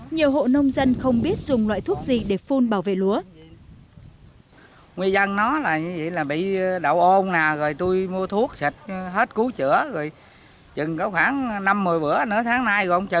nhiều hộ nông dân không biết dùng loại thuốc gì để phun bảo vệ lúa